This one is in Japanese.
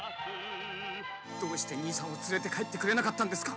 どうして兄さんを連れて帰ってくれなかったんですか。